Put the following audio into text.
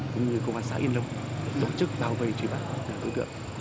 cũng như công an xã yên lâm tổ chức bao vây truy bản đối tượng